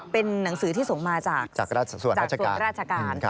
เป็นหนังสือที่ส่งมาจากส่วนราชการ